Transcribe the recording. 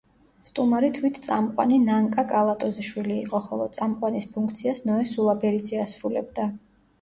სტუმარი თვით წამყვანი ნანკა კალატოზიშვილი იყო, ხოლო წამყვანის ფუნქციას ნოე სულაბერიძე ასრულებდა.